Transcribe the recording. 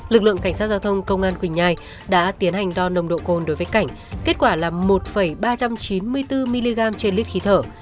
lực lượng cảnh sát giao thông công an quỳnh nhai đã tiến hành đo nồng độ cồn đối với cảnh kết quả là một ba trăm chín mươi bốn mg trên lít khí thở